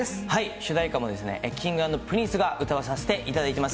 主題歌もですね、Ｋｉｎｇ＆Ｐｒｉｎｃｅが歌わせていただいてます。